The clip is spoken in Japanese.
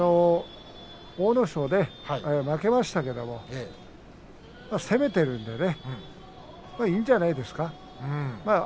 阿武咲ね、負けましたけど攻めているのでねいいんじゃないですか。